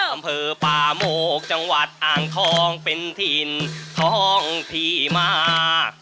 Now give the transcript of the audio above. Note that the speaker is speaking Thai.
อำเภอป่าโมกจังหวัดอ่างทองเป็นถิ่นท้องที่มาก